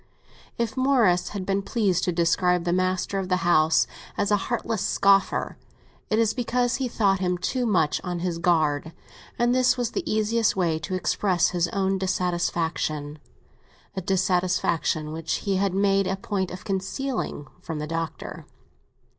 If Morris had been pleased to describe the master of the house as a heartless scoffer, it is because he thought him too much on his guard, and this was the easiest way to express his own dissatisfaction—a dissatisfaction which he had made a point of concealing from the Doctor.